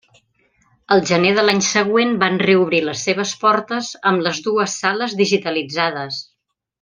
El gener de l'any següent van reobrir les seves portes amb les dues sales digitalitzades.